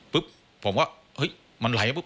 ปุ๊บผมว่าเฮ้ยมันไหลแล้ว